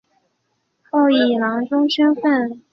后以郎中身份跟从朱文正镇守南昌。